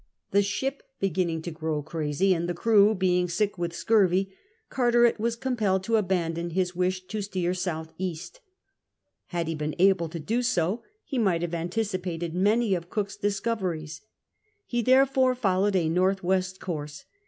The ship beginning to grow crazy, and the crew being sick with scurvy, Carteret was compelled to abandon his wish to steer S.E. Had he been able to do so, he might have anticipated many of Cook's discoveries He therefore followed a N, W, course.